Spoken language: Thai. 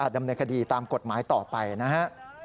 ดำเนินคดีตามกฎหมายต่อไปนะฮะ